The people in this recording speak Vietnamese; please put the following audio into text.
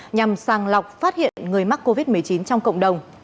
nhằm sàng lọc phát hiện người mắc covid một mươi chín trong cộng đồng